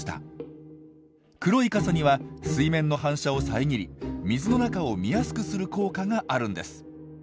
黒い傘には水面の反射をさえぎり水の中を見やすくする効果があるんです。